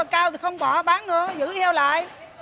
cao thì không bỏ bán nữa giữ heo lại